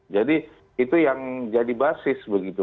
jadi itu yang jadi basis begitu